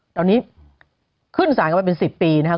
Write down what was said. ตอนนี้ขึ้นสารกันมาเป็น๑๐ปีนะครับ